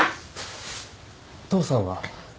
父さんは？